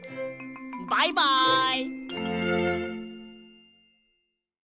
バイバイ！